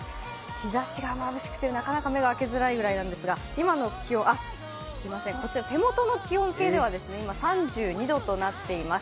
日ざしがまぶしくてなかなか目が開きづらいですが手元の気温計では３２度となっています。